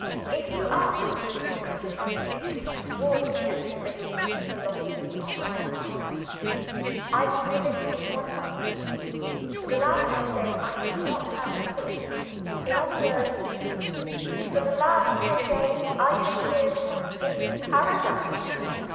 If you ask for the secret of this extraordinary exhibition of philosophy on my part, I can give it in one line. For the last ten days, I have not had a fit. In other words, for the last ten days, I have lived in Paradise.